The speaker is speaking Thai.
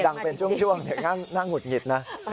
ดังเป็นช่วงน่างหุดหงิดนะ